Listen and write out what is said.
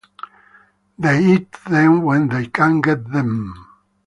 They eat them when they can get them.